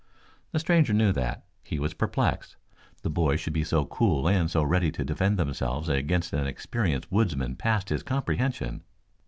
The stranger knew that. He was perplexed. That boys should be so cool and so ready to defend themselves against an experienced woodsman passed his comprehension.